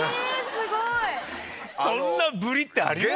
すごいそんなぶりってありますか？